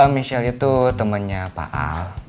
michelle itu temennya pak al